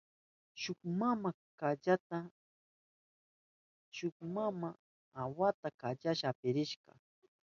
Shuk maman wawanta kallata aparishka.